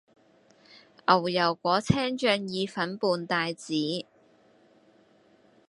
牛油果青醬意粉伴帶子